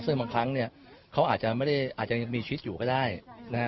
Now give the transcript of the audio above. ซึ่งบางครั้งเนี่ยเขาอาจจะไม่ได้อาจจะยังมีชีวิตอยู่ก็ได้นะฮะ